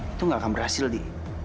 itu nggak akan berhasil di